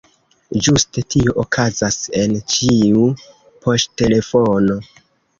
Ĝuste tio okazas en ĉiu poŝtelefono.